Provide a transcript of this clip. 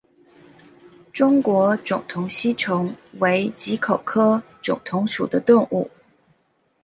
中国肿头吸虫为棘口科肿头属的动物。